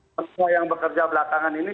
semua yang bekerja belakangan ini